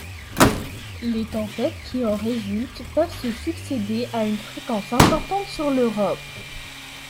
Les tempêtes qui en résultent peuvent se succéder à une fréquence importante sur l’Europe.